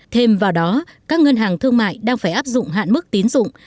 thêm vào đó các ngân hàng thương mại đang phải áp dụng hạn mức tín dụng